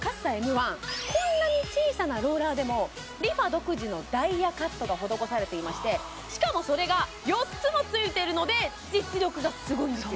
１こんなに小さなローラーでもＲｅＦａ独自のダイヤカットが施されていましてしかもそれが４つもついてるので実力がすごいんですよ